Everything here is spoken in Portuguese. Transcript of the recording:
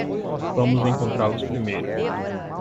Vamos encontrá-los primeiro.